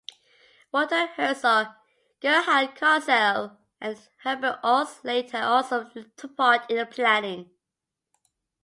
Walter Herzog, Gerhard Kosel and Herbert Aust later also took part in the planning.